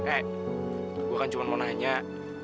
eh gue kan cuma mau nanya nih eh